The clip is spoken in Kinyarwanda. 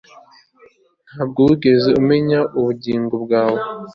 Ntabwo wigeze umenya ubugingo bwawe